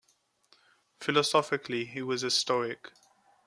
Philosophically he was a Stoic.